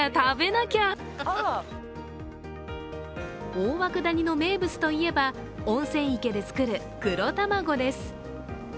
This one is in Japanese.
大涌谷の名物といえば温泉池で作る黒卵です。